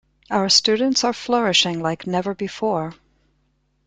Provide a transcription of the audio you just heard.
Our students are flourishing like never before.